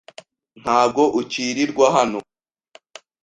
Ntabwo ukirirwa hano.